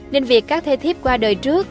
nên việc các thê thiếp qua đời trước